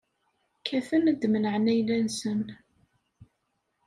Kkaten ad d-menɛen ayla-nsen.